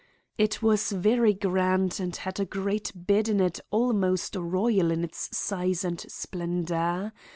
It was very grand and had a great bed in it almost royal in its size and splendor.